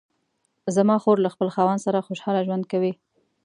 زما خور له خپل خاوند سره خوشحاله ژوند کوي